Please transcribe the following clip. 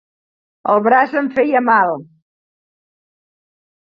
El braç em feia mal